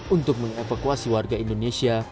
untuk mengevakuasi warga indonesia